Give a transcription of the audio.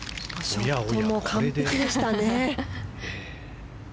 ショットも完璧でしたね。